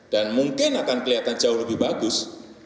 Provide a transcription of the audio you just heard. dan mungkin akan kelihatan jauh lebih bagus